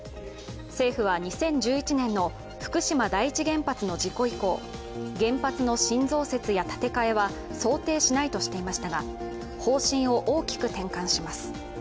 政府は、２０１１年の福島第一原発の事故以降原発の新増設や立て替えは想定しないとしていましたが、方針を大きく転換します。